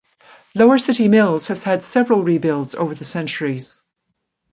Lower City Mills has had several rebuilds over the centuries.